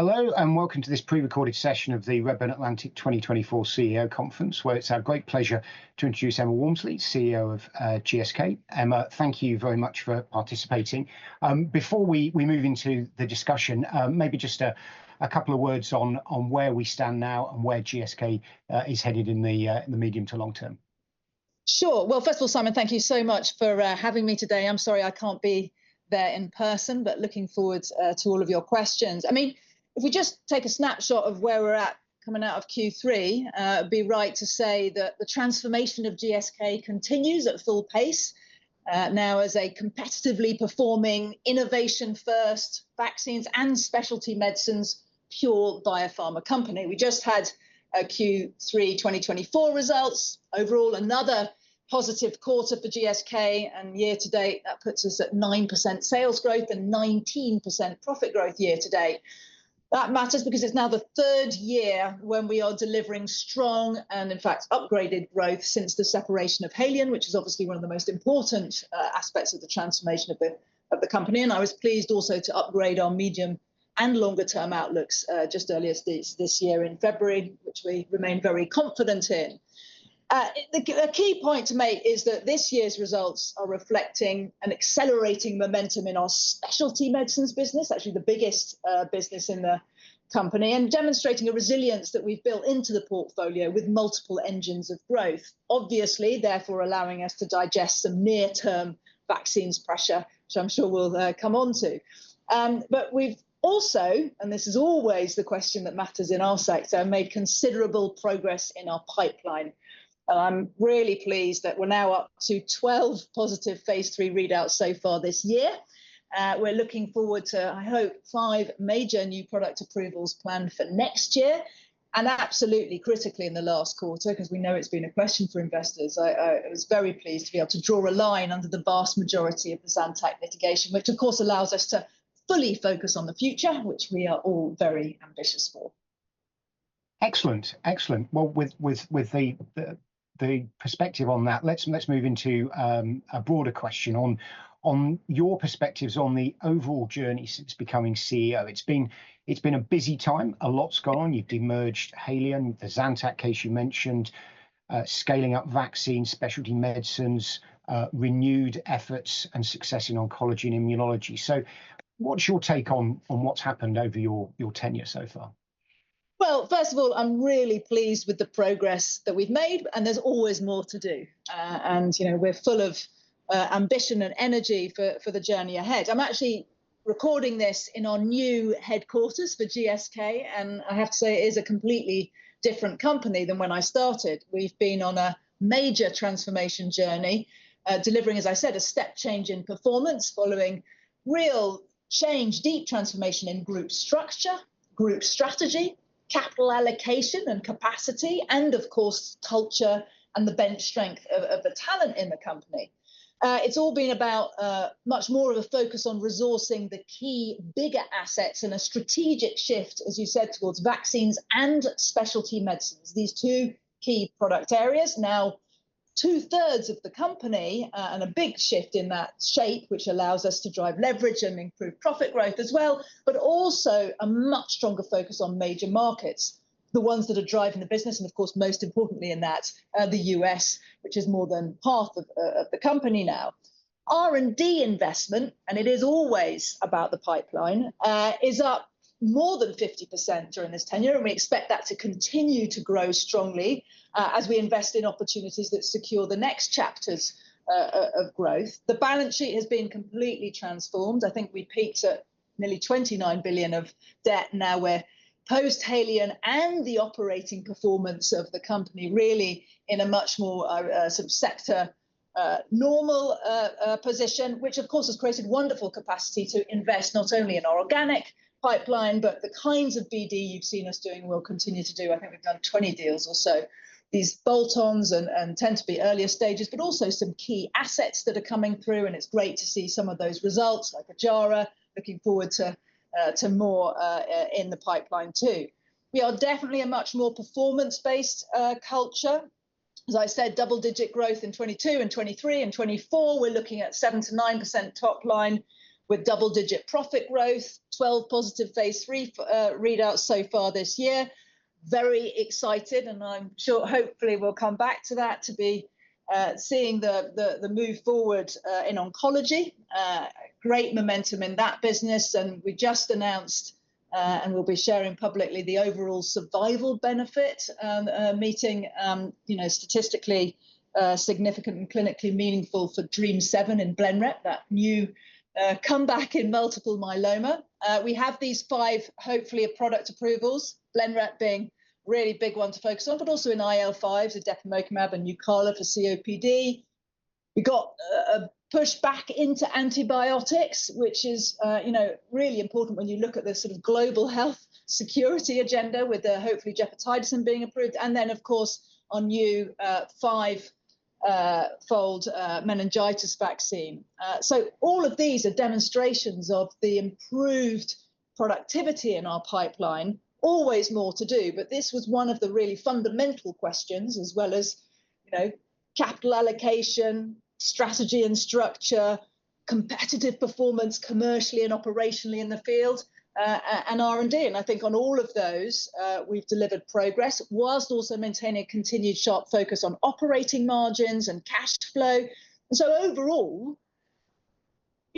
Hello and welcome to this pre-recorded session of the Redburn Atlantic 2024 CEO conference, where it's our great pleasure to introduce Emma Walmsley, CEO of GSK. Emma, thank you very much for participating. Before we move into the discussion, maybe just a couple of words on where we stand now and where GSK is headed in the medium to long term. Sure. Well, first of all, Simon, thank you so much for having me today. I'm sorry I can't be there in person, but looking forward to all of your questions. I mean, if we just take a snapshot of where we're at coming out of Q3, it'd be right to say that the transformation of GSK continues at full pace, now as a competitively performing, innovation-first, vaccines and specialty medicines pure Biopharma company. We just had Q3 2024 results. Overall, another positive quarter for GSK, and year to date, that puts us at 9% sales growth and 19% profit growth year to date. That matters because it's now the third year when we are delivering strong and, in fact, upgraded growth since the separation of Haleon, which is obviously one of the most important aspects of the transformation of the company. I was pleased also to upgrade our medium and longer-term outlooks just earlier this year in February, which we remain very confident in. A key point to make is that this year's results are reflecting an accelerating momentum in our specialty medicines business, actually the biggest business in the company, and demonstrating a resilience that we've built into the portfolio with multiple engines of growth, obviously, therefore allowing us to digest some near-term vaccines pressure, which I'm sure we'll come on to. We've also, and this is always the question that matters in our sector, made considerable progress in our pipeline. I'm really pleased that we're now up to 12 positive phase III readouts so far this year. We're looking forward to, I hope, five major new product approvals planned for next year. Absolutely critically in the last quarter, because we know it's been a question for investors, I was very pleased to be able to draw a line under the vast majority of the Zantac litigation, which, of course, allows us to fully focus on the future, which we are all very ambitious for. Excellent. Excellent. With the perspective on that, let's move into a broader question on your perspectives on the overall journey since becoming CEO. It's been a busy time. A lot's gone. You've demerged Haleon, the Zantac case you mentioned, scaling up vaccines, specialty medicines, renewed efforts, and success in oncology and immunology. So what's your take on what's happened over your tenure so far? First of all, I'm really pleased with the progress that we've made, and there's always more to do. We're full of ambition and energy for the journey ahead. I'm actually recording this in our new headquarters for GSK, and I have to say it is a completely different company than when I started. We've been on a major transformation journey, delivering, as I said, a step change in performance following real change, deep transformation in group structure, group strategy, capital allocation and capacity, and, of course, culture and the bench strength of the talent in the company. It's all been about much more of a focus on resourcing the key bigger assets and a strategic shift, as you said, towards vaccines and specialty medicines, these two key product areas. Now, 2/3 of the company and a big shift in that shape, which allows us to drive leverage and improve profit growth as well, but also a much stronger focus on major markets, the ones that are driving the business. And, of course, most importantly in that, the US, which is more than half of the company now. R&D investment, and it is always about the pipeline, is up more than 50% during this tenure, and we expect that to continue to grow strongly as we invest in opportunities that secure the next chapters of growth. The balance sheet has been completely transformed. I think we peaked at nearly 29 billion of debt. Now we're post-Haleon and the operating performance of the company really in a much more sort of sector normal position, which, of course, has created wonderful capacity to invest not only in our organic pipeline, but the kinds of BD you've seen us doing and we'll continue to do. I think we've done 20 deals or so, these bolt-ons and tend to be earlier stages, but also some key assets that are coming through. And it's great to see some of those results like Ojjaara looking forward to more in the pipeline too. We are definitely a much more performance-based culture. As I said, double-digit growth in 2022 and 2023 and 2024. We're looking at 7%-9% top line with double-digit profit growth, 12+ phase III readouts so far this year. Very excited, and I'm sure hopefully we'll come back to that to be seeing the move forward in oncology. Great momentum in that business. And we just announced and we'll be sharing publicly the overall survival benefit meeting statistically significant and clinically meaningful for DREAMM-7 in Blenrep, that new comeback in multiple myeloma. We have these five, hopefully, of product approvals, Blenrep being a really big one to focus on, but also in IL-5s, the Depemokimab and Nucala for COPD. We got a push back into antibiotics, which is really important when you look at the sort of global health security agenda with hopefully Gepotidacin being approved, and then, of course, on new five-fold meningitis vaccine. So all of these are demonstrations of the improved productivity in our pipeline. Always more to do, but this was one of the really fundamental questions as well as capital allocation, strategy and structure, competitive performance commercially and operationally in the field, and R&D. And I think on all of those, we've delivered progress whilst also maintaining a continued sharp focus on operating margins and cash flow. And so overall,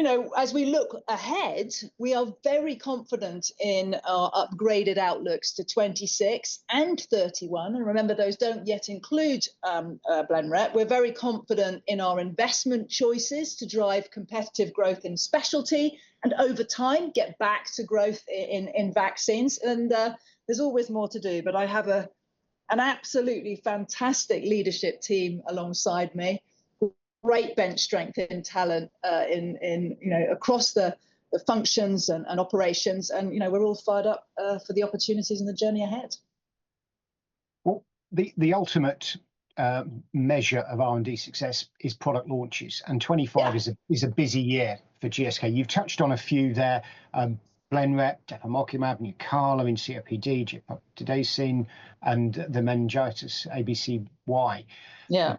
as we look ahead, we are very confident in our upgraded outlooks to 2026 and 2031. And remember, those don't yet include Blenrep. We're very confident in our investment choices to drive competitive growth in specialty and over time get back to growth in vaccines. And there's always more to do, but I have an absolutely fantastic leadership team alongside me, great bench strength in talent across the functions and operations. And we're all fired up for the opportunities and the journey ahead. The ultimate measure of R&D success is product launches. 2025 is a busy year for GSK. You've touched on a few there, Blenrep, Depemokimab, Nucala in COPD, Gepotidacin, and the MenABCWY. Yeah.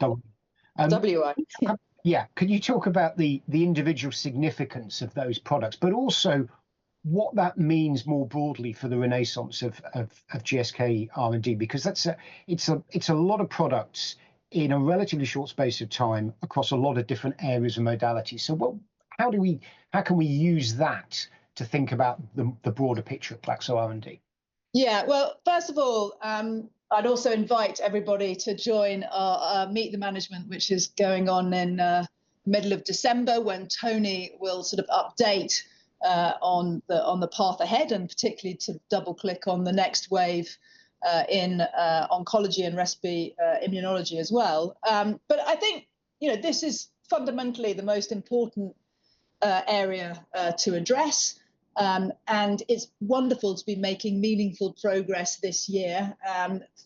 Yeah. Could you talk about the individual significance of those products, but also what that means more broadly for the renaissance of GSK R&D? Because it's a lot of products in a relatively short space of time across a lot of different areas and modalities. So how can we use that to think about the broader picture of GSK R&D? Yeah. Well, first of all, I'd also invite everybody to join our Meet the Management, which is going on in the middle of December when Tony will sort of update on the path ahead and particularly to double-click on the next wave in oncology and respiratory immunology as well. But I think this is fundamentally the most important area to address. And it's wonderful to be making meaningful progress this year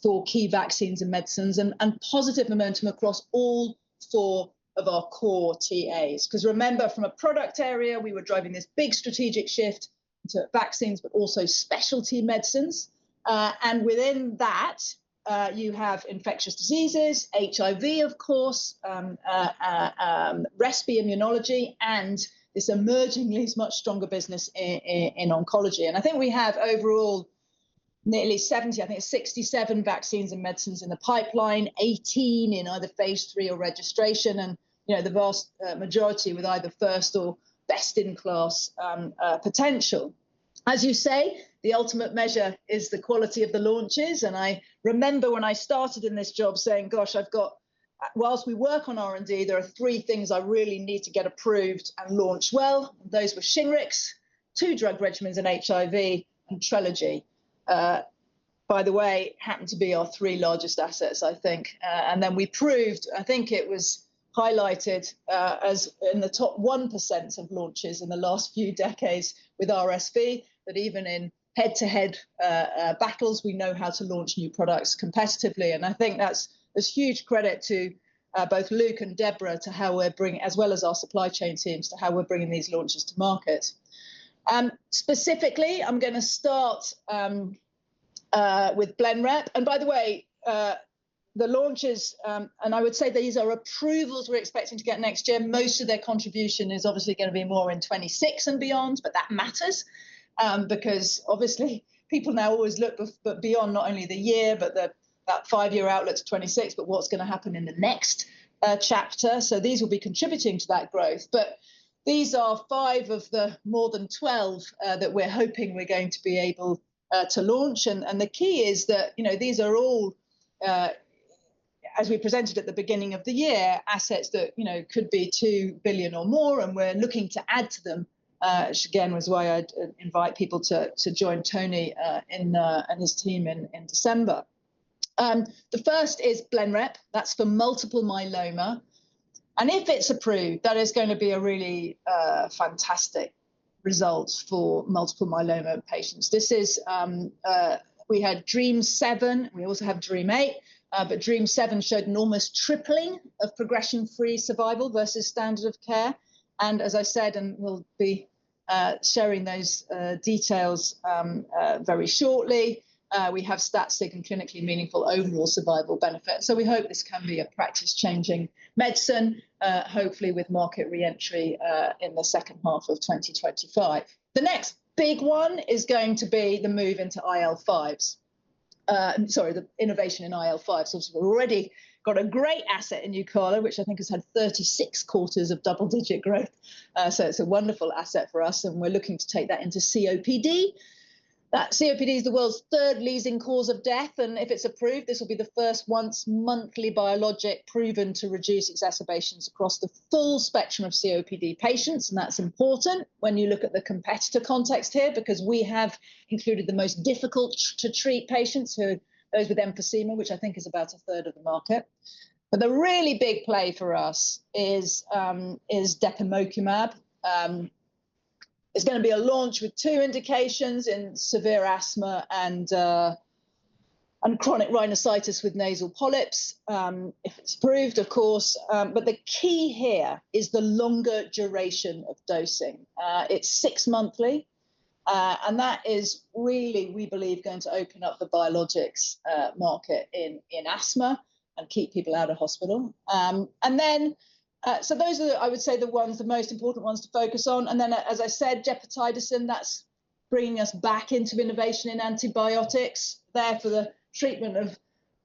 for key vaccines and medicines and positive momentum across all four of our core TAs. Because remember, from a product area, we were driving this big strategic shift to vaccines, but also specialty medicines. And within that, you have infectious diseases, HIV, of course, respiratory immunology, and this emerging much stronger business in oncology. I think we have overall nearly 70, I think it's 67 vaccines and medicines in the pipeline, 18 in either phase III or registration, and the vast majority with either first or best in class potential. As you say, the ultimate measure is the quality of the launches. I remember when I started in this job saying, "Gosh, I've got, while we work on R&D, there are three things I really need to get approved and launched well." Those were Shingrix, two drug regimens in HIV, and Trelegy. By the way, happened to be our three largest assets, I think. Then we proved, I think it was highlighted as in the top 1% of launches in the last few decades with RSV, that even in head-to-head battles, we know how to launch new products competitively. I think that's this huge credit to both Luke and Deborah to how we're bringing, as well as our supply chain teams, to how we're bringing these launches to market. Specifically, I'm going to start with Blenrep. By the way, the launches, and I would say these are approvals we're expecting to get next year. Most of their contribution is obviously going to be more in 2026 and beyond, but that matters because obviously people now always look beyond not only the year, but that five-year outlook to 2026, but what's going to happen in the next chapter. So these will be contributing to that growth. But these are five of the more than 12 that we're hoping we're going to be able to launch. The key is that these are all, as we presented at the beginning of the year, assets that could be $2 billion or more, and we're looking to add to them, which again was why I invite people to join Tony and his team in December. The first is Blenrep. That's for multiple myeloma. And if it's approved, that is going to be a really fantastic result for multiple myeloma patients. We had DREAMM-7. We also have DREAMM-8, but DREAMM-7 showed an almost tripling of progression-free survival versus standard of care. And as I said, and we'll be sharing those details very shortly, we have stats that can clinically meaningful overall survival benefit. So we hope this can be a practice-changing medicine, hopefully with market re-entry in the second half of 2025. The next big one is going to be the move into IL-5s. Sorry, the innovation in IL-5s has already got a great asset in Nucala, which I think has had 36 quarters of double-digit growth. So it's a wonderful asset for us, and we're looking to take that into COPD. COPD is the world's third leading cause of death. And if it's approved, this will be the first once-monthly biologic proven to reduce exacerbations across the full spectrum of COPD patients. And that's important when you look at the competitor context here because we have included the most difficult to treat patients, those with emphysema, which I think is about a third of the market. But the really big play for us is Depemokimab. It's going to be a launch with two indications in severe asthma and chronic rhinosinusitis with nasal polyps, if it's approved, of course. But the key here is the longer duration of dosing. It's six monthly, and that is really, we believe, going to open up the biologics market in asthma and keep people out of hospital. And then so those are, I would say, the ones, the most important ones to focus on. And then, as I said, Gepotidacin, that's bringing us back into innovation in antibiotics. Therefore, the treatment of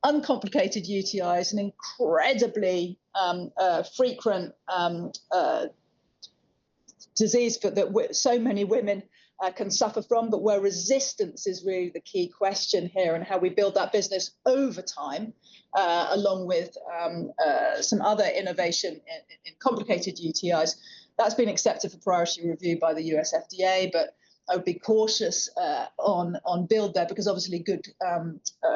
uncomplicated UTI is an incredibly frequent disease that so many women can suffer from, but where resistance is really the key question here and how we build that business over time along with some other innovation in complicated UTIs. That's been accepted for priority review by the U.S. FDA, but I would be cautious on build there because obviously good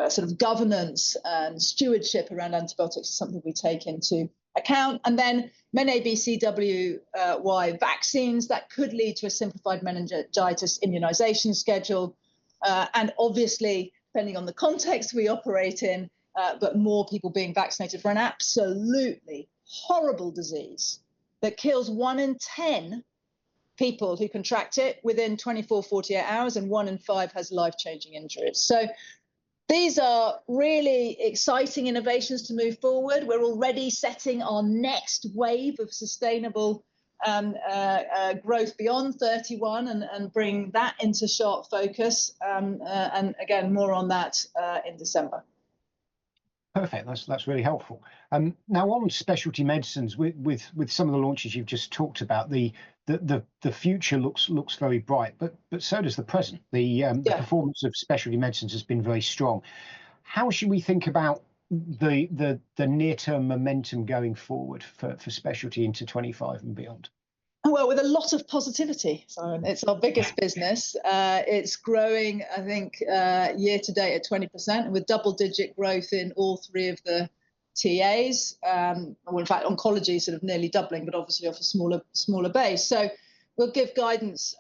sort of governance and stewardship around antibiotics is something we take into account. And then MenABCWY vaccines that could lead to a simplified meningitis immunization schedule. Obviously, depending on the context we operate in, but more people being vaccinated for an absolutely horrible disease that kills one in 10 people who contract it within 24, 48 hours, and one in five has life-changing injuries. These are really exciting innovations to move forward. We're already setting our next wave of sustainable growth beyond 2031 and bring that into sharp focus. Again, more on that in December. Perfect. That's really helpful. Now, on specialty medicines, with some of the launches you've just talked about, the future looks very bright, but so does the present. The performance of specialty medicines has been very strong. How should we think about the near-term momentum going forward for specialty into 2025 and beyond? With a lot of positivity, it's our biggest business. It's growing, I think, year to date at 20% with double-digit growth in all three of the TAs. In fact, oncology is sort of nearly doubling, but obviously off a smaller base. We'll give guidance,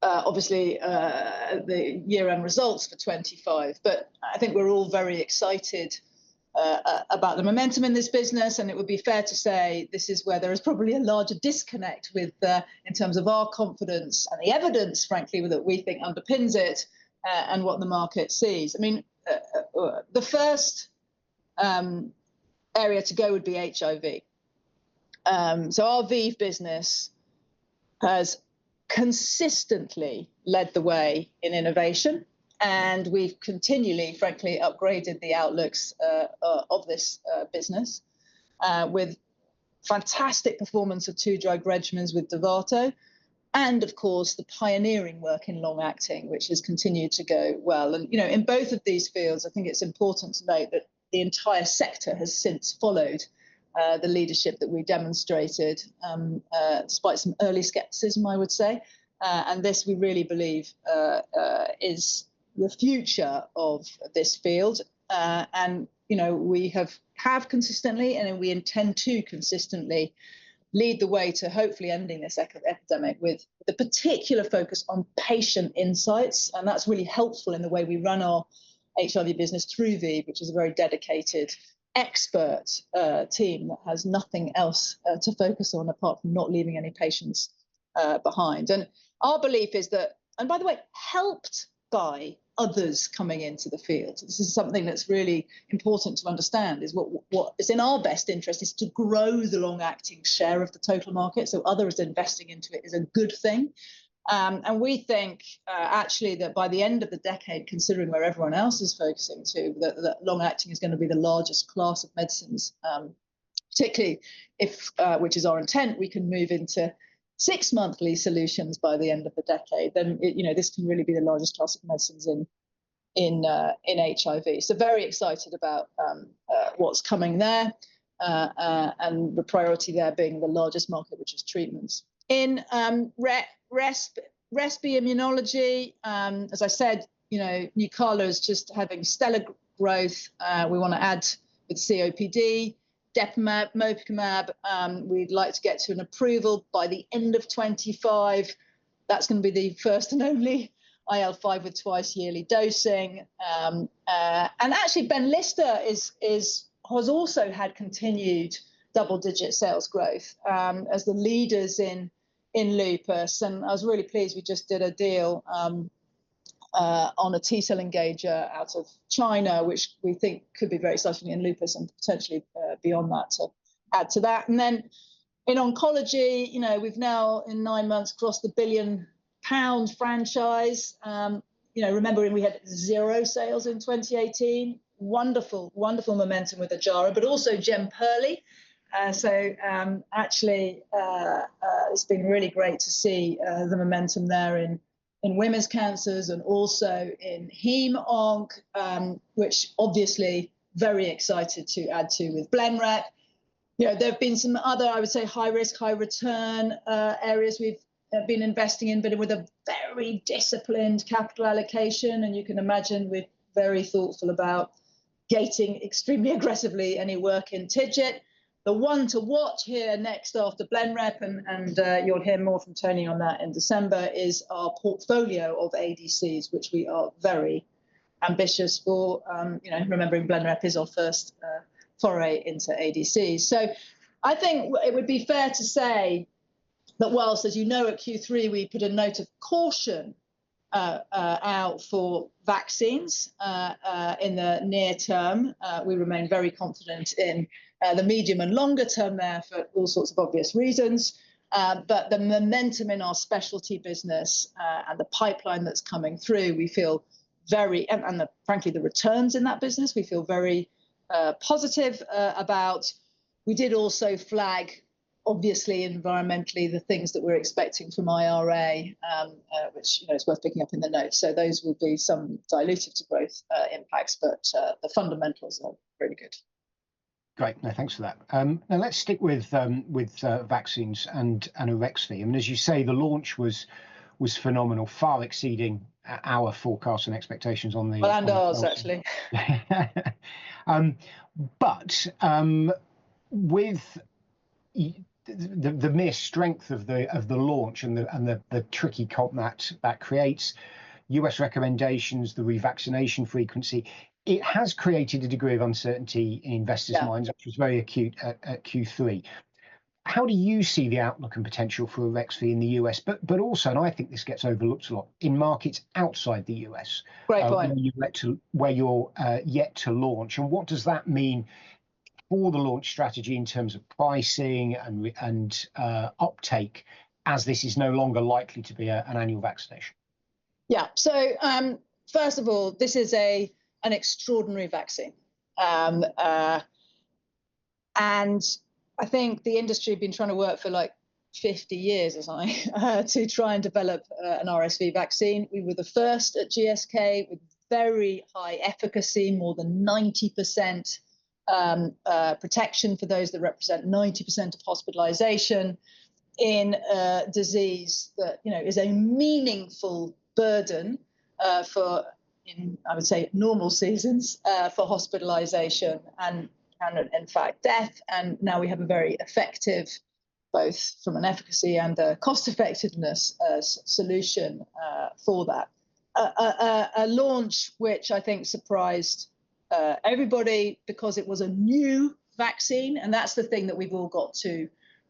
obviously, the year-end results for 2025, but I think we're all very excited about the momentum in this business. It would be fair to say this is where there is probably a larger disconnect in terms of our confidence and the evidence, frankly, that we think underpins it and what the market sees. I mean, the first area to go would be HIV. Our ViiV business has consistently led the way in innovation, and we've continually, frankly, upgraded the outlooks of this business with fantastic performance of two drug regimens with Dovato and, of course, the pioneering work in long-acting, which has continued to go well. In both of these fields, I think it's important to note that the entire sector has since followed the leadership that we demonstrated despite some early skepticism, I would say. This we really believe is the future of this field. We have consistently, and we intend to consistently lead the way to hopefully ending this epidemic with the particular focus on patient insights. That's really helpful in the way we run our HIV business through ViiV, which is a very dedicated expert team that has nothing else to focus on apart from not leaving any patients behind. Our belief is that, and by the way, helped by others coming into the field. This is something that's really important to understand is what is in our best interest is to grow the long-acting share of the total market. So others investing into it is a good thing. And we think actually that by the end of the decade, considering where everyone else is focusing too, that long-acting is going to be the largest class of medicines, particularly if, which is our intent, we can move into six-monthly solutions by the end of the decade, then this can really be the largest class of medicines in HIV. So very excited about what's coming there and the priority there being the largest market, which is treatments. In respiratory immunology, as I said, Nucala is just having stellar growth. We want to add with COPD, Depemokimab. We'd like to get to an approval by the end of 2025. That's going to be the first and only IL-5 with twice yearly dosing. And actually, Benlysta has also had continued double-digit sales growth as the leaders in Lupus. And I was really pleased we just did a deal on a T-cell engager out of China, which we think could be very exciting in Lupus and potentially beyond that to add to that. And then in oncology, we've now in nine months crossed the 1 billion pound franchise. Remembering we had zero sales in 2018, wonderful, wonderful momentum with Ojjaara, but also Jemperli. So actually, it's been really great to see the momentum there in women's cancers and also in heme-onc, which obviously very excited to add to with Blenrep. There have been some other, I would say, high-risk, high-return areas we've been investing in, but with a very disciplined capital allocation. And you can imagine we're very thoughtful about gating extremely aggressively any work in TIGIT. The one to watch here next after Blenrep, and you'll hear more from Tony on that in December, is our portfolio of ADCs, which we are very ambitious for. Remembering Blenrep is our first foray into ADCs. So I think it would be fair to say that while, as you know, at Q3, we put a note of caution out for vaccines in the near term, we remain very confident in the medium and longer term there for all sorts of obvious reasons. But the momentum in our specialty business and the pipeline that's coming through, we feel very, and frankly, the returns in that business, we feel very positive about. We did also flag, obviously, environmentally the things that we're expecting from IRA, which is worth picking up in the notes, so those will be some dilutive to growth impacts, but the fundamentals are very good. Great. Thanks for that. Now, let's stick with vaccines and Arexvy. I mean, as you say, the launch was phenomenal, far exceeding our forecasts and expectations on the. Ours, actually. But with the mere strength of the launch and the tricky comp that creates U.S. recommendations, the revaccination frequency, it has created a degree of uncertainty in investors' minds, which was very acute at Q3. How do you see the outlook and potential for Arexvy in the U.S., but also, and I think this gets overlooked a lot, in markets outside the U.S.? Great point. Where you're yet to launch, and what does that mean for the launch strategy in terms of pricing and uptake as this is no longer likely to be an annual vaccination? Yeah. So first of all, this is an extraordinary vaccine. And I think the industry has been trying to work for like 50 years, as I said, to try and develop an RSV vaccine. We were the first at GSK with very high efficacy, more than 90% protection for those that represent 90% of hospitalization in a disease that is a meaningful burden for, I would say, normal seasons for hospitalization and, in fact, death. And now we have a very effective, both from an efficacy and a cost-effectiveness solution for that. A launch which I think surprised everybody because it was a new vaccine, and that's the thing that we've all got to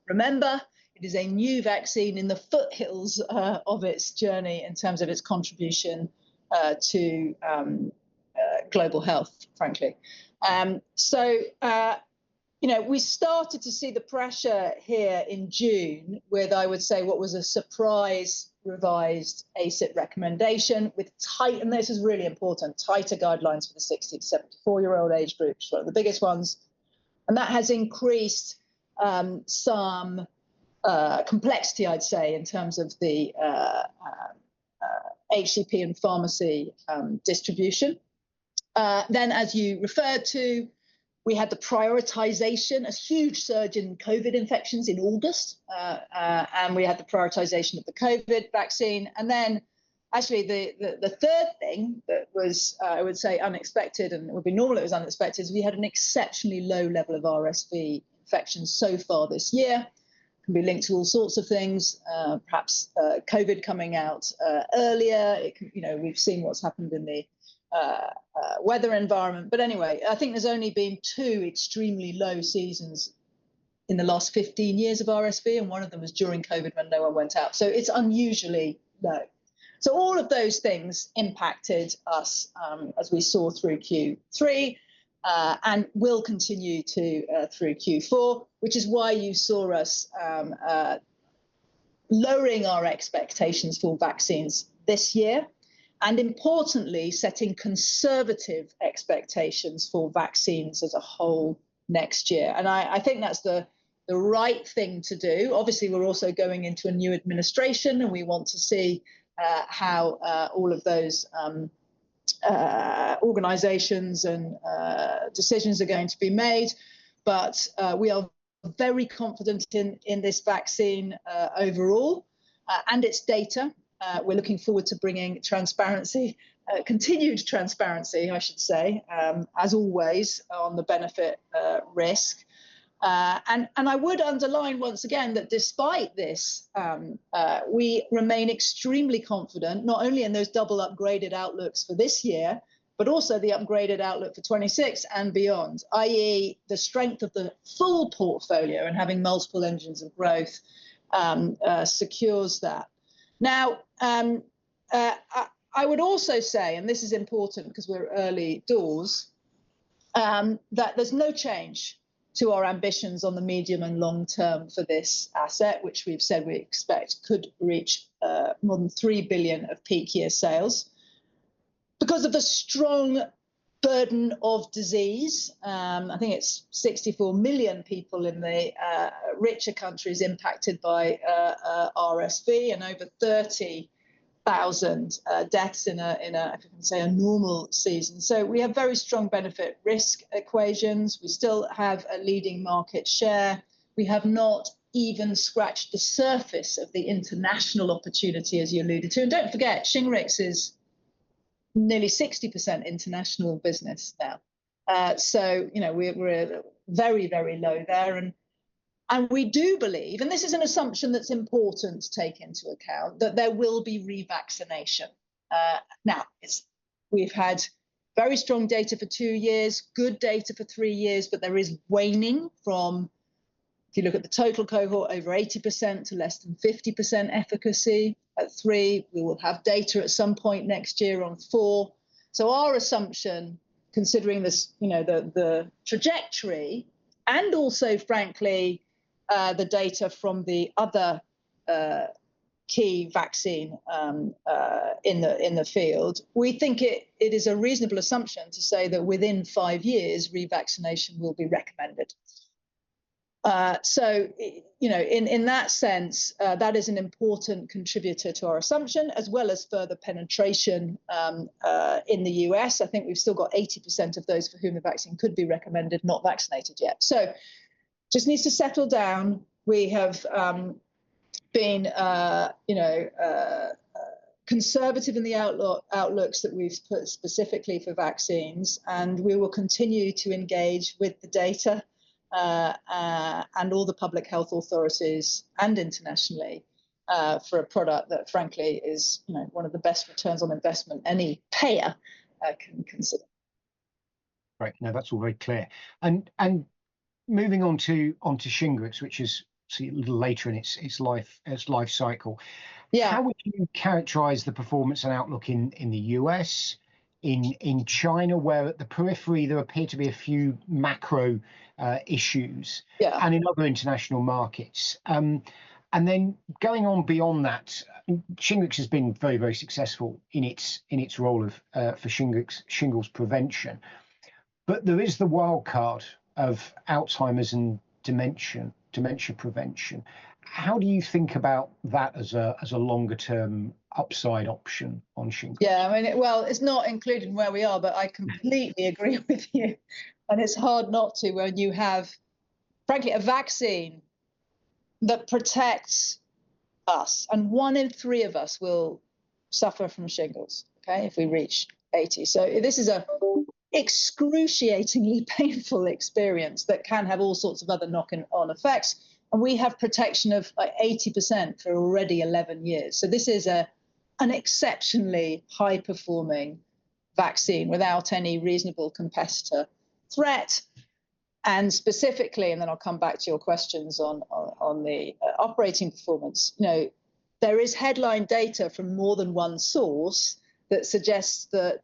remember. It is a new vaccine in the foothills of its journey in terms of its contribution to global health, frankly. We started to see the pressure here in June with, I would say, what was a surprise revised ACIP recommendation, and this is really important, tighter guidelines for the 60-74-year-old age group, sort of the biggest ones. That has increased some complexity, I'd say, in terms of the HCP and pharmacy distribution. As you referred to, we had the prioritization, a huge surge in COVID infections in August, and we had the prioritization of the COVID vaccine. Actually, the third thing that was, I would say, unexpected, and it would be normal it was unexpected, is we had an exceptionally low level of RSV infections so far this year. It can be linked to all sorts of things, perhaps COVID coming out earlier. We've seen what's happened in the weather environment. But anyway, I think there's only been two extremely low seasons in the last 15 years of RSV, and one of them was during COVID when no one went out. So it's unusually low. So all of those things impacted us as we saw through Q3 and will continue to through Q4, which is why you saw us lowering our expectations for vaccines this year and, importantly, setting conservative expectations for vaccines as a whole next year. And I think that's the right thing to do. Obviously, we're also going into a new administration, and we want to see how all of those organizations and decisions are going to be made. But we are very confident in this vaccine overall and its data. We're looking forward to bringing transparency, continued transparency, I should say, as always on the benefit risk. I would underline once again that despite this, we remain extremely confident not only in those double upgraded outlooks for this year, but also the upgraded outlook for 2026 and beyond, i.e., the strength of the full portfolio and having multiple engines of growth secures that. Now, I would also say, and this is important because we're early doors, that there's no change to our ambitions on the medium and long term for this asset, which we've said we expect could reach more than 3 billion of peak year sales because of the strong burden of disease. I think it's 64 million people in the richer countries impacted by RSV and over 30,000 deaths in a, if I can say, a normal season. So we have very strong benefit risk equations. We still have a leading market share. We have not even scratched the surface of the international opportunity, as you alluded to. And don't forget, Shingrix is nearly 60% international business now. So we're very, very low there. And we do believe, and this is an assumption that's important to take into account, that there will be revaccination. Now, we've had very strong data for two years, good data for three years, but there is waning from, if you look at the total cohort, over 80% to less than 50% efficacy. At three, we will have data at some point next year on four. So our assumption, considering the trajectory and also, frankly, the data from the other key vaccine in the field, we think it is a reasonable assumption to say that within five years, revaccination will be recommended. So in that sense, that is an important contributor to our assumption, as well as further penetration in the U.S. I think we've still got 80% of those for whom the vaccine could be recommended not vaccinated yet. So just needs to settle down. We have been conservative in the outlooks that we've put specifically for vaccines, and we will continue to engage with the data and all the public health authorities and internationally for a product that, frankly, is one of the best returns on investment any payer can consider. Right. No, that's all very clear. And moving on to Shingrix, which is a little later in its life cycle. How would you characterize the performance and outlook in the U.S., in China, where at the periphery there appear to be a few macro issues and in other international markets? And then going on beyond that, Shingrix has been very, very successful in its role for Shingrix shingles prevention. But there is the wildcard of alzheimer's and dementia prevention. How do you think about that as a longer-term upside option on Shingrix? Yeah. Well, it's not included in where we are, but I completely agree with you. And it's hard not to when you have, frankly, a vaccine that protects us. And one in three of us will suffer from shingles, okay, if we reach 80. So this is an excruciatingly painful experience that can have all sorts of other knock-on effects. And we have protection of 80% for already 11 years. So this is an exceptionally high-performing vaccine without any reasonable competitor threat. And specifically, and then I'll come back to your questions on the operating performance, there is headline data from more than one source that suggests that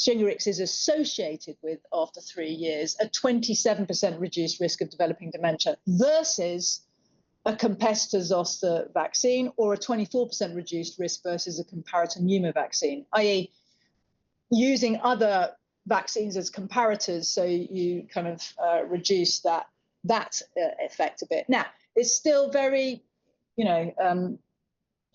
Shingrix is associated with, after three years, a 27% reduced risk of developing dementia versus a competitor zoster vaccine or a 24% reduced risk versus a comparison pneumovaccine, i.e., using other vaccines as comparators. So you kind of reduce that effect a bit. Now, it's still very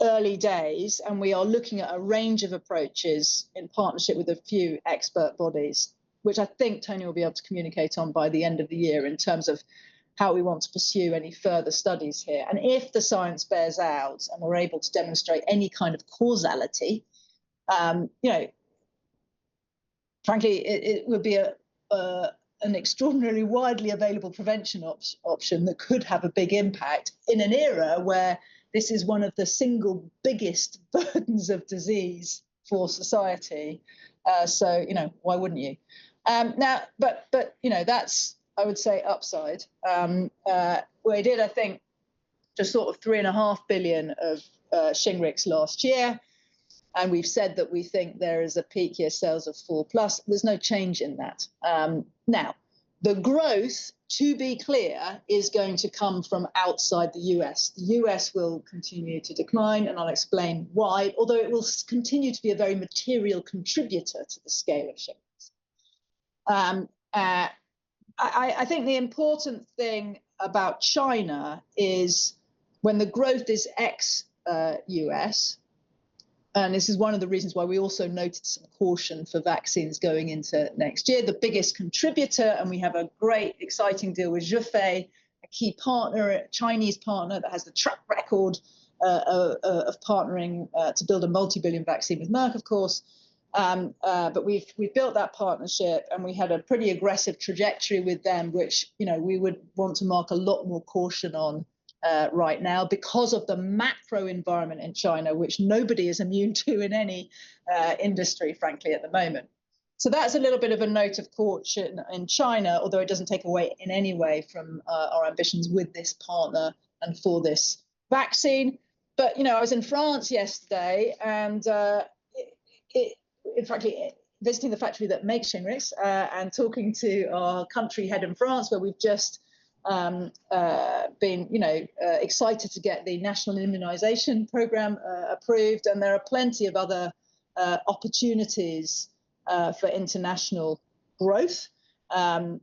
early days, and we are looking at a range of approaches in partnership with a few expert bodies, which I think Tony will be able to communicate on by the end of the year in terms of how we want to pursue any further studies here. And if the science bears out and we're able to demonstrate any kind of causality, frankly, it would be an extraordinarily widely available prevention option that could have a big impact in an era where this is one of the single biggest burdens of disease for society. So why wouldn't you? Now, but that's, I would say, upside. We did, I think, just sort of 3.5 billion of Shingrix last year. And we've said that we think there is a peak year sales of 4 billion plus. There's no change in that. Now, the growth, to be clear, is going to come from outside the U.S. The U.S. will continue to decline, and I'll explain why, although it will continue to be a very material contributor to the scale of Shingrix. I think the important thing about China is when the growth is ex-U.S., and this is one of the reasons why we also noted some caution for vaccines going into next year, the biggest contributor, and we have a great, exciting deal with Zhifei, a key partner, a Chinese partner that has the track record of partnering to build a multibillion vaccine with Merck, of course. But we've built that partnership, and we had a pretty aggressive trajectory with them, which we would want to mark a lot more caution on right now because of the macro environment in China, which nobody is immune to in any industry, frankly, at the moment. So that's a little bit of a note of caution in China, although it doesn't take away in any way from our ambitions with this partner and for this vaccine. But I was in France yesterday, and frankly, visiting the factory that makes Shingrix and talking to our country head in France, where we've just been excited to get the national immunization program approved. And there are plenty of other opportunities for international growth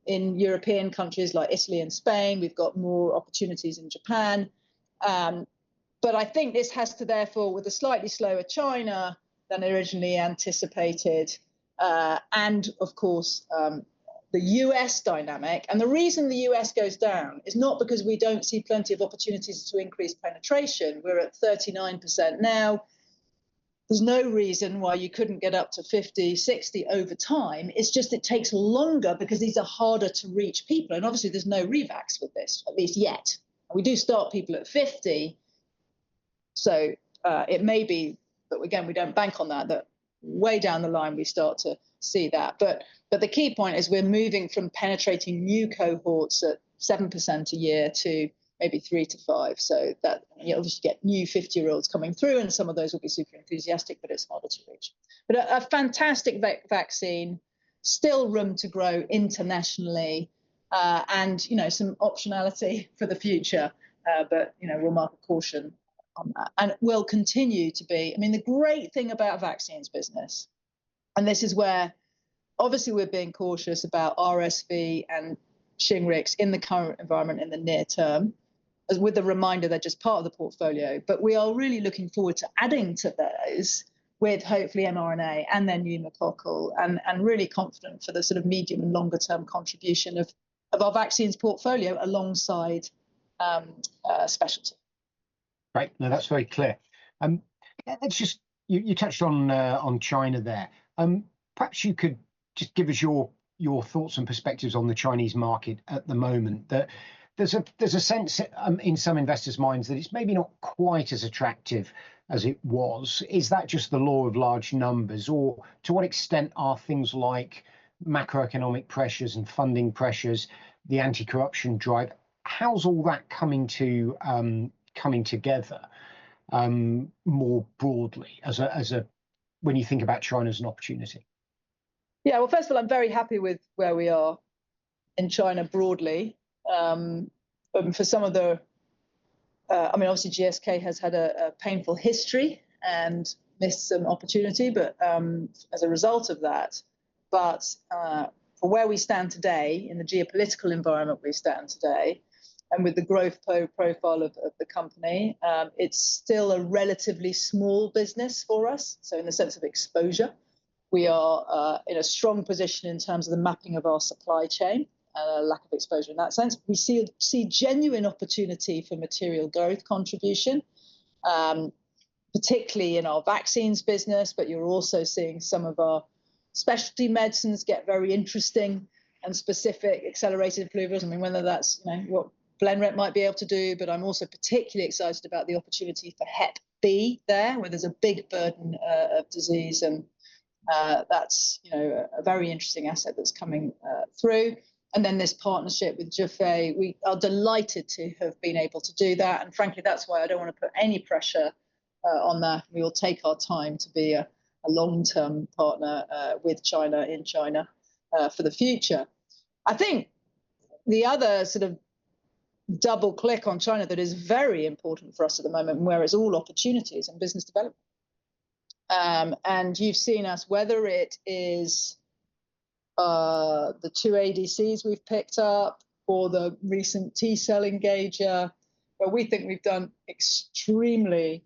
in European countries like Italy and Spain. We've got more opportunities in Japan. But I think this has to do, therefore, with a slightly slower China than originally anticipated and, of course, the U.S. dynamic. And the reason the U.S. goes down is not because we don't see plenty of opportunities to increase penetration. We're at 39% now. There's no reason why you couldn't get up to 50%, 60% over time. It's just it takes longer because these are harder to reach people. And obviously, there's no revacs with this, at least yet. We do start people at 50. So it may be, but again, we don't bank on that way down the line we start to see that. But the key point is we're moving from penetrating new cohorts at 7% a year to maybe 3%-5%. So that you'll just get new 50-year-olds coming through, and some of those will be super enthusiastic, but it's harder to reach. But a fantastic vaccine, still room to grow internationally and some optionality for the future, but we'll mark a caution on that. And we'll continue to be, I mean, the great thing about a vaccines business, and this is where obviously we're being cautious about RSV and Shingrix in the current environment in the near term with the reminder they're just part of the portfolio, but we are really looking forward to adding to those with hopefully mRNA and then pneumococcal and really confident for the sort of medium and longer-term contribution of our vaccines portfolio alongside specialty. Right. No, that's very clear. You touched on China there. Perhaps you could just give us your thoughts and perspectives on the Chinese market at the moment. There's a sense in some investors' minds that it's maybe not quite as attractive as it was. Is that just the law of large numbers? Or to what extent are things like macroeconomic pressures and funding pressures, the anti-corruption drive, how's all that coming together more broadly when you think about China as an opportunity? Yeah. Well, first of all, I'm very happy with where we are in China broadly. But for some of the, I mean, obviously, GSK has had a painful history and missed some opportunity, but as a result of that. But for where we stand today in the geopolitical environment we stand today and with the growth profile of the company, it's still a relatively small business for us. So in the sense of exposure, we are in a strong position in terms of the mapping of our supply chain and a lack of exposure in that sense. We see genuine opportunity for material growth contribution, particularly in our vaccines business, but you're also seeing some of our specialty medicines get very interesting and specific accelerated approvals. I mean, whether that's what Blenrep might be able to do, but I'm also particularly excited about the opportunity for Hep B there, where there's a big burden of disease. And that's a very interesting asset that's coming through. And then this partnership with Zhifei, we are delighted to have been able to do that. And frankly, that's why I don't want to put any pressure on that. We will take our time to be a long-term partner with China in China for the future. I think the other sort of double-click on China that is very important for us at the moment and where it's all opportunities and business development. And you've seen us, whether it is the two ADCs we've picked up or the recent T-cell engager, but we think we've done extremely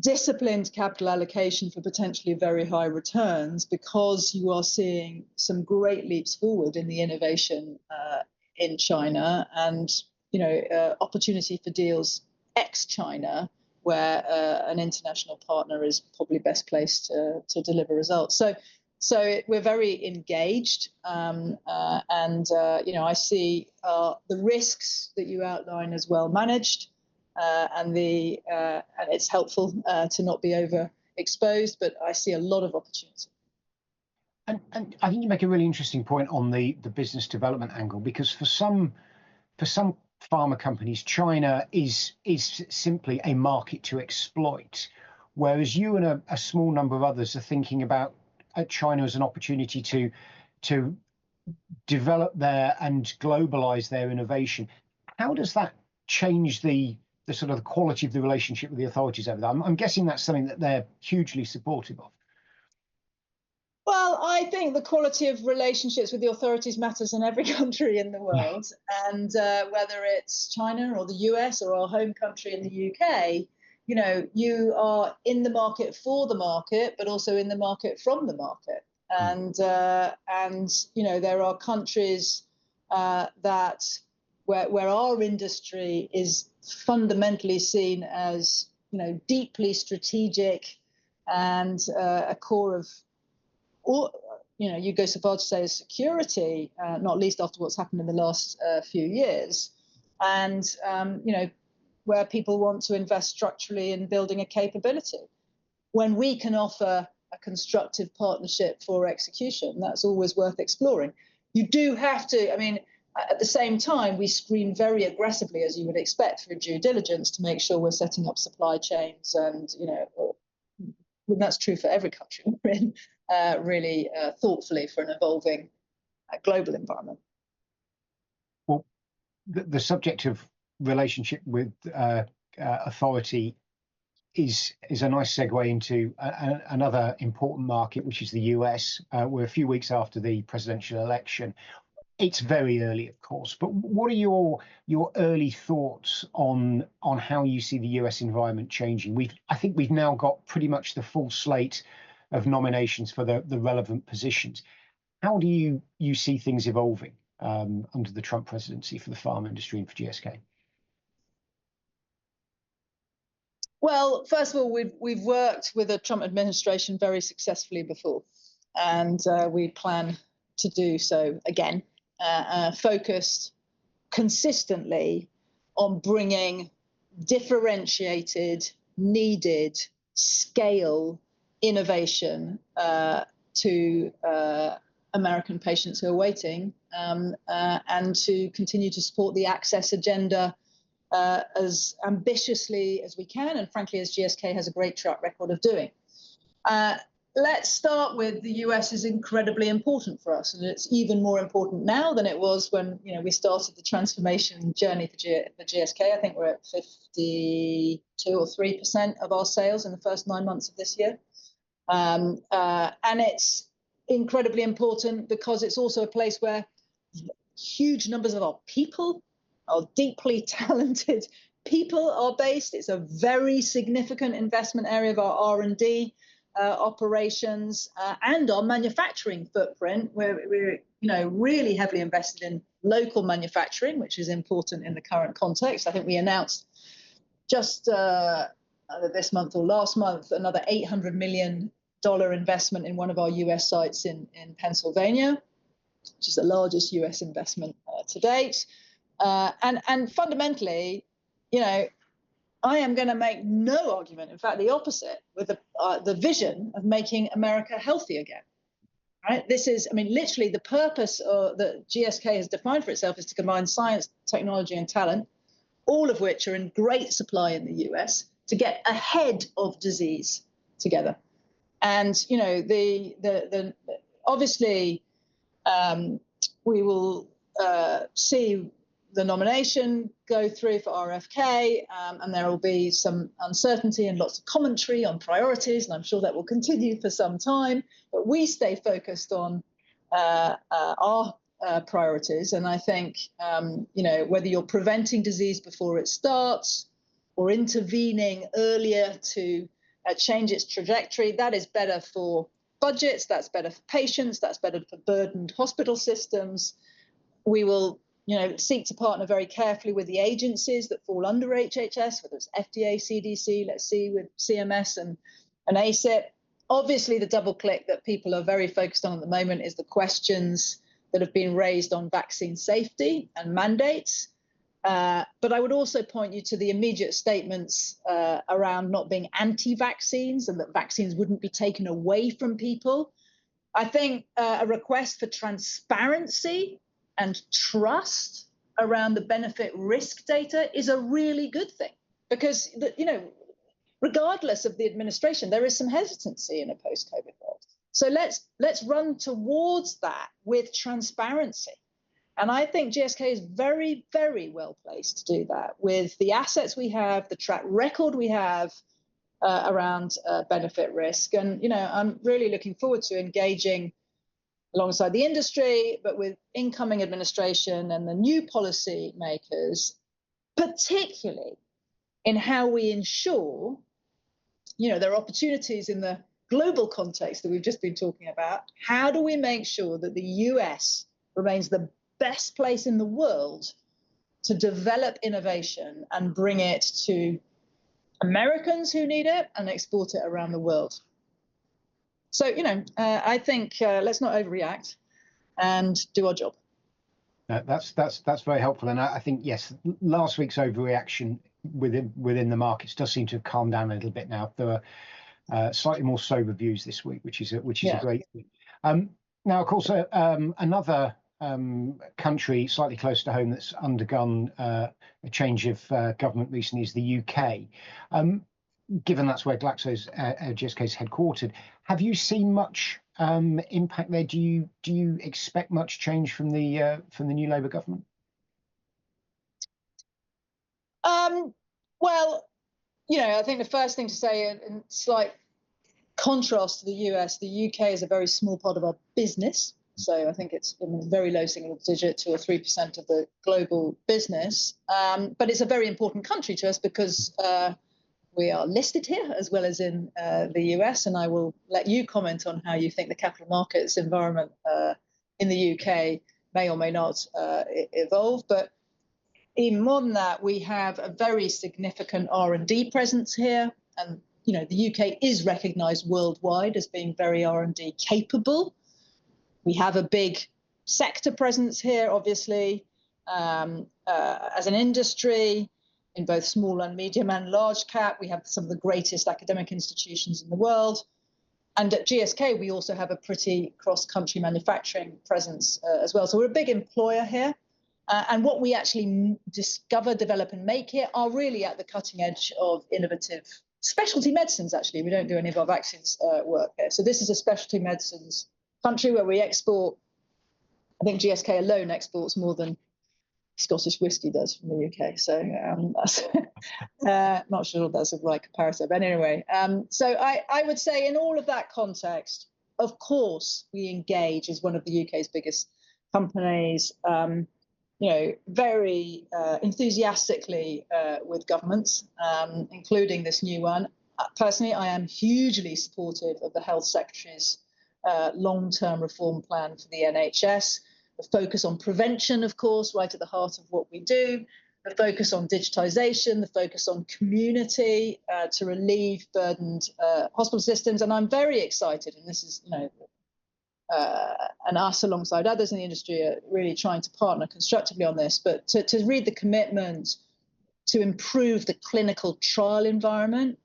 disciplined capital allocation for potentially very high returns because you are seeing some great leaps forward in the innovation in China and opportunity for deals ex-China where an international partner is probably best placed to deliver results. So we're very engaged. And I see the risks that you outline as well managed, and it's helpful to not be overexposed, but I see a lot of opportunity. I think you make a really interesting point on the business development angle because for some pharma companies, China is simply a market to exploit, whereas you and a small number of others are thinking about China as an opportunity to develop their and globalize their innovation. How does that change the sort of quality of the relationship with the authorities over there? I'm guessing that's something that they're hugely supportive of. I think the quality of relationships with the authorities matters in every country in the world, whether it's China or the U.S. or our home country in the U.K. You are in the market for the market, but also in the market from the market. There are countries where our industry is fundamentally seen as deeply strategic and a core of, you go so far to say, a security, not least after what's happened in the last few years, and where people want to invest structurally in building a capability when we can offer a constructive partnership for execution. That's always worth exploring. You do have to, I mean, at the same time, we screen very aggressively, as you would expect for due diligence, to make sure we're setting up supply chains. That's true for every country we're in, really thoughtfully for an evolving global environment. The subjective relationship with authority is a nice segue into another important market, which is the U.S. We're a few weeks after the presidential election. It's very early, of course. But what are your early thoughts on how you see the U.S. environment changing? I think we've now got pretty much the full slate of nominations for the relevant positions. How do you see things evolving under the Trump presidency for the pharma industry and for GSK? First of all, we've worked with the Trump administration very successfully before, and we plan to do so again, focused consistently on bringing differentiated, needed scale innovation to American patients who are waiting and to continue to support the access agenda as ambitiously as we can. Frankly, as GSK has a great track record of doing. Let's start with the U.S. is incredibly important for us, and it's even more important now than it was when we started the transformation journey for GSK. I think we're at 52 or 3% of our sales in the first nine months of this year. It's incredibly important because it's also a place where huge numbers of our people, our deeply talented people are based. It's a very significant investment area of our R&D operations and our manufacturing footprint. We're really heavily invested in local manufacturing, which is important in the current context. I think we announced just this month or last month another $800 million investment in one of our U.S. sites in Pennsylvania, which is the largest U.S. investment to date. And fundamentally, I am going to make no argument, in fact, the opposite with the vision of making America healthy again. I mean, literally, the purpose that GSK has defined for itself is to combine science, technology, and talent, all of which are in great supply in the U.S. to get ahead of disease together. And obviously, we will see the nomination go through for RFK, and there will be some uncertainty and lots of commentary on priorities, and I'm sure that will continue for some time. But we stay focused on our priorities. I think whether you're preventing disease before it starts or intervening earlier to change its trajectory, that is better for budgets. That's better for patients. That's better for burdened hospital systems. We will seek to partner very carefully with the agencies that fall under HHS, whether it's FDA, CDC, let's see with CMS and ACIP. Obviously, the double-click that people are very focused on at the moment is the questions that have been raised on vaccine safety and mandates. I would also point you to the immediate statements around not being anti-vaccines and that vaccines wouldn't be taken away from people. I think a request for transparency and trust around the benefit-risk data is a really good thing because regardless of the administration, there is some hesitancy in a post-COVID world. Let's run towards that with transparency. I think GSK is very, very well placed to do that with the assets we have, the track record we have around benefit-risk. I'm really looking forward to engaging alongside the industry, but with incoming administration and the new policymakers, particularly in how we ensure there are opportunities in the global context that we've just been talking about. How do we make sure that the U.S. remains the best place in the world to develop innovation and bring it to Americans who need it and export it around the world? I think let's not overreact and do our job. That's very helpful. And I think, yes, last week's overreaction within the markets does seem to have calmed down a little bit now. There were slightly more sober views this week, which is a great thing. Now, of course, another country slightly close to home that's undergone a change of government recently is the U.K. Given that's where GSK is headquartered, have you seen much impact there? Do you expect much change from the new Labour government? I think the first thing to say in slight contrast to the U.S., the U.K. is a very small part of our business. I think it's in a very low single digit to 3% of the global business. It's a very important country to us because we are listed here as well as in the U.S. I will let you comment on how you think the capital markets environment in the U.K. may or may not evolve. Even more than that, we have a very significant R&D presence here. The U.K. is recognized worldwide as being very R&D capable. We have a big sector presence here, obviously, as an industry in both small and medium and large cap. We have some of the greatest academic institutions in the world. At GSK, we also have a pretty cross-country manufacturing presence as well. So we're a big employer here. And what we actually discover, develop, and make here are really at the cutting edge of innovative specialty medicines, actually. We don't do any of our vaccines work there. So this is a specialty medicines country where we export. I think GSK alone exports more than Scottish whiskey does from the U.K. So I'm not sure that's the right comparison. But anyway, so I would say in all of that context, of course, we engage as one of the U.K.'s biggest companies, very enthusiastically with governments, including this new one. Personally, I am hugely supportive of the health secretary's long-term reform plan for the NHS, the focus on prevention, of course, right at the heart of what we do, the focus on digitization, the focus on community to relieve burdened hospital systems. I'm very excited, and this is us alongside others in the industry really trying to partner constructively on this, but we read the commitment to improve the clinical trial environment,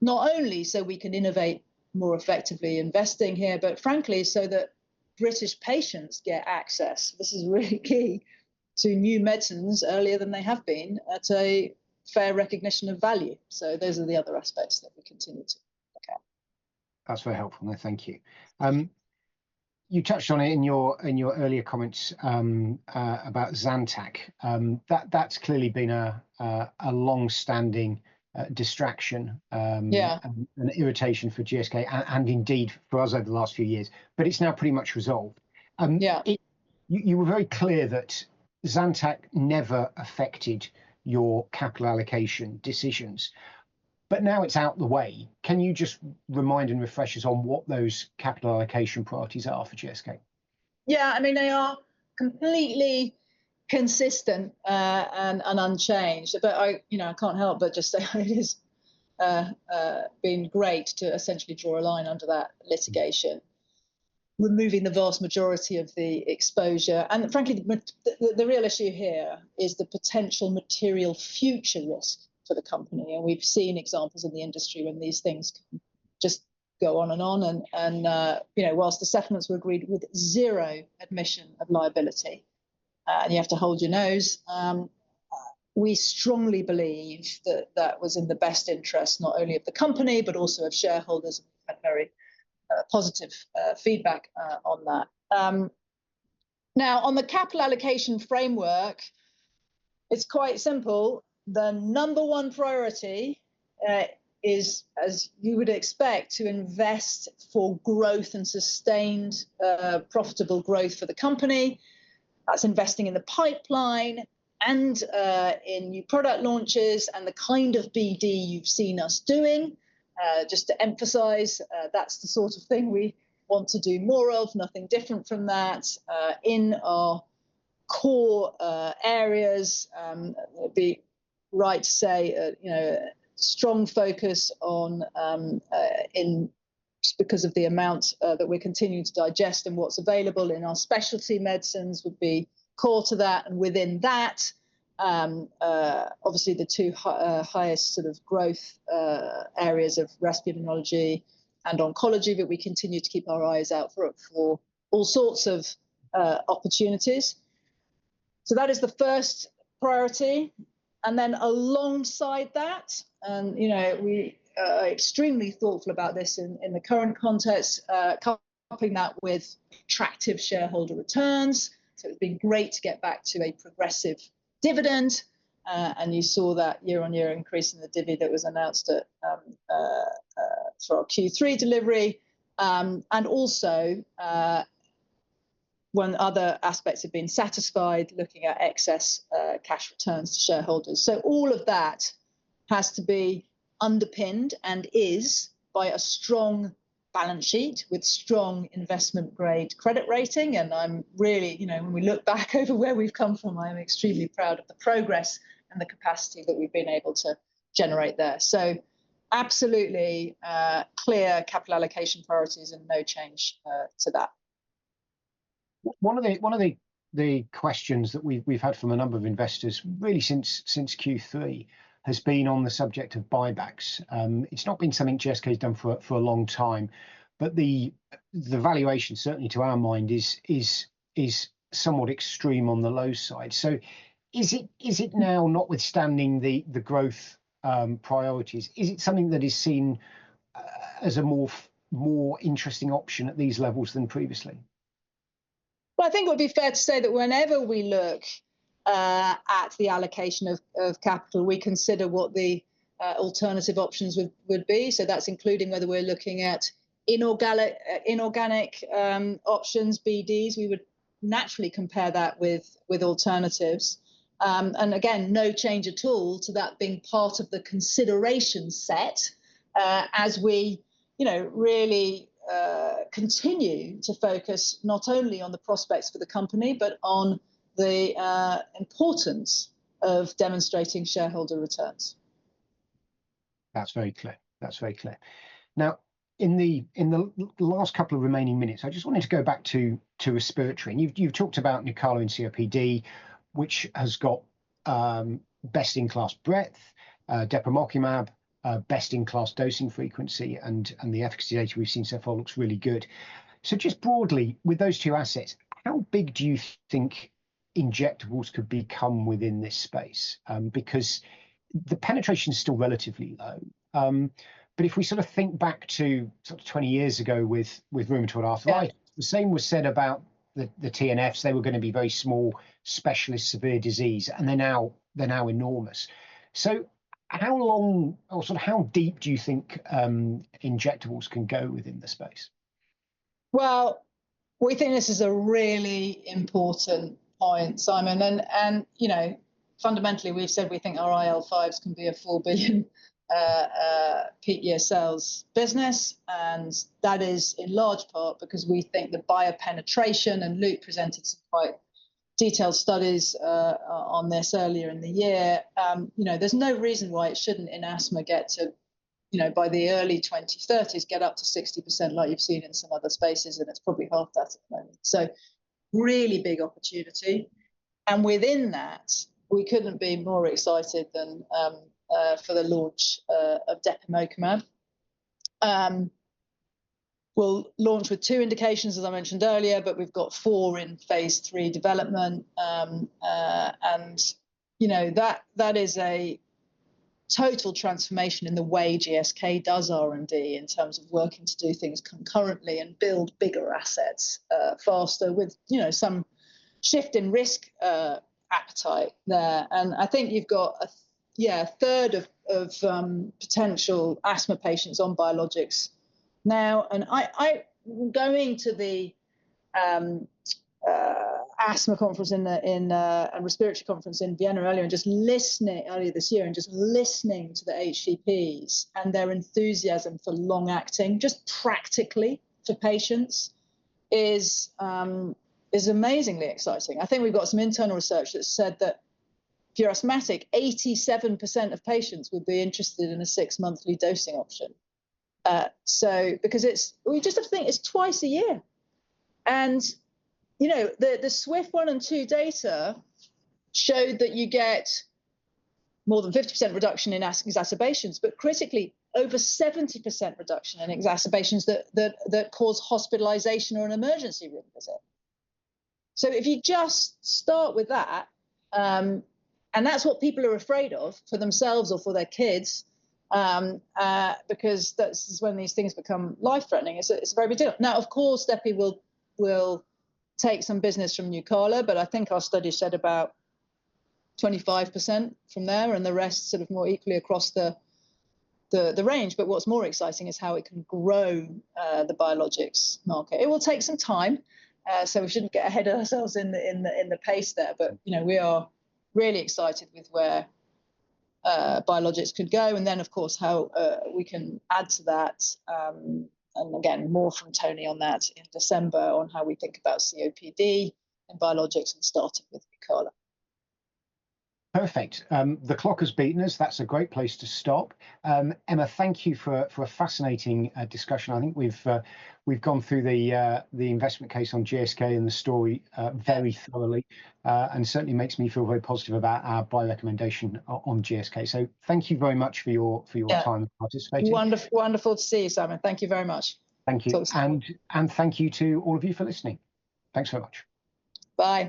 not only so we can innovate more effectively investing here, but frankly, so that British patients get access. This is really key to new medicines earlier than they have been to a fair recognition of value, so those are the other aspects that we continue to look at. That's very helpful. Thank you. You touched on it in your earlier comments about Zantac. That's clearly been a long-standing distraction and irritation for GSK and indeed for us over the last few years, but it's now pretty much resolved. You were very clear that Zantac never affected your capital allocation decisions, but now it's out of the way. Can you just remind and refresh us on what those capital allocation priorities are for GSK? Yeah, I mean, they are completely consistent and unchanged, but I can't help but just say it has been great to essentially draw a line under that litigation, removing the vast majority of the exposure. And frankly, the real issue here is the potential material future risk for the company. And we've seen examples in the industry when these things just go on and on. And while the settlements were agreed with zero admission of liability and you have to hold your nose, we strongly believe that that was in the best interest not only of the company, but also of shareholders. We've had very positive feedback on that. Now, on the capital allocation framework, it's quite simple. The number one priority is, as you would expect, to invest for growth and sustained profitable growth for the company. That's investing in the pipeline and in new product launches and the kind of BD you've seen us doing. Just to emphasize, that's the sort of thing we want to do more of, nothing different from that in our core areas. It would be right to say a strong focus on innovation. Because of the amount that we're continuing to digest and what's available in our specialty medicines would be core to that. And within that, obviously, the two highest sort of growth areas of respiratory immunology and oncology, but we continue to keep our eyes out for all sorts of opportunities. So that is the first priority. And then alongside that, and we are extremely thoughtful about this in the current context, coupling that with attractive shareholder returns. So it's been great to get back to a progressive dividend. You saw that year-on-year increase in the dividend that was announced for our Q3 delivery. Also, when other aspects have been satisfied, looking at excess cash returns to shareholders. All of that has to be underpinned and is by a strong balance sheet with strong investment-grade credit rating. When we look back over where we've come from, I'm extremely proud of the progress and the capacity that we've been able to generate there. Absolutely clear capital allocation priorities and no change to that. One of the questions that we've had from a number of investors really since Q3 has been on the subject of buybacks. It's not been something GSK has done for a long time, but the valuation certainly to our mind is somewhat extreme on the low side. So is it now notwithstanding the growth priorities, is it something that is seen as a more interesting option at these levels than previously? I think it would be fair to say that whenever we look at the allocation of capital, we consider what the alternative options would be. So that's including whether we're looking at inorganic options, BDs. We would naturally compare that with alternatives. And again, no change at all to that being part of the consideration set as we really continue to focus not only on the prospects for the company, but on the importance of demonstrating shareholder returns. That's very clear. That's very clear. Now, in the last couple of remaining minutes, I just wanted to go back to respiratory, and you've talked about Nucala and COPD, which has got best-in-class breadth, Depemokimab mAb, best-in-class dosing frequency, and the efficacy data we've seen so far looks really good, so just broadly, with those two assets, how big do you think injectables could become within this space? Because the penetration is still relatively low, but if we sort of think back to sort of 20 years ago with rheumatoid arthritis, the same was said about the TNFs. They were going to be very small specialist severe disease, and they're now enormous, so how long or sort of how deep do you think injectables can go within the space? We think this is a really important point, Simon. Fundamentally, we've said we think our IL-5s can be a $4 billion peak year sales business. That is in large part because we think the biologic penetration and Luke presented some quite detailed studies on this earlier in the year. There's no reason why it shouldn't in asthma get to, by the early 2030s, get up to 60% like you've seen in some other spaces, and it's probably half that at the moment. Really big opportunity. Within that, we couldn't be more excited than for the launch of Depemokimab. We'll launch with two indications, as I mentioned earlier, but we've got four in phase three development. That is a total transformation in the way GSK does R&D in terms of working to do things concurrently and build bigger assets faster with some shift in risk appetite there. I think you've got, yeah, a third of potential asthma patients on biologics now. Going to the asthma conference and respiratory conference in Vienna earlier and just listening earlier this year and just listening to the HCPs and their enthusiasm for long-acting, just practically for patients, is amazingly exciting. I think we've got some internal research that said that for asthmatic, 87% of patients would be interested in a six-monthly dosing option. Because we just have to think it's twice a year. The SWIFT-1 and SWIFT-2 data showed that you get more than 50% reduction in exacerbations, but critically, over 70% reduction in exacerbations that cause hospitalization or an emergency room visit. So if you just start with that, and that's what people are afraid of for themselves or for their kids, because that's when these things become life-threatening, it's a very big deal. Now, of course, Depemokimab will take some business from Nucala, but I think our study said about 25% from there and the rest sort of more equally across the range. But what's more exciting is how it can grow the biologics market. It will take some time, so we shouldn't get ahead of ourselves in the pace there. But we are really excited with where biologics could go and then, of course, how we can add to that. And again, more from Tony on that in December on how we think about COPD and biologics and starting with Nucala. Perfect. The clock has beaten us. That's a great place to stop. Emma, thank you for a fascinating discussion. I think we've gone through the investment case on GSK and the story very thoroughly and certainly makes me feel very positive about our buy recommendation on GSK. So thank you very much for your time participating. Wonderful to see you, Simon. Thank you very much. Thank you. And thank you to all of you for listening. Thanks very much. Bye.